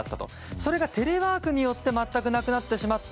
それがテレワークによって全くなくなってしまった。